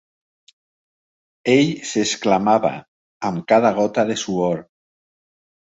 Ell s'exclamava, amb cada gota de suor